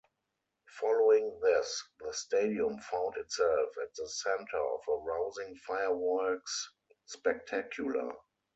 Following this, the stadium found itself at the centre of a rousing fireworks spectacular.